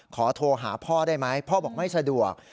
โทรหาพ่อได้ไหมพ่อบอกไม่สะดวก